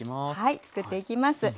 はい作っていきます。